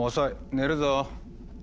寝るぞ。